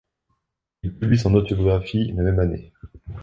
Il publie son autobiographie la même année.